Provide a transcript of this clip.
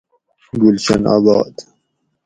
گلشن آباد